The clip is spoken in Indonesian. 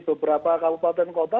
di beberapa kabupaten kota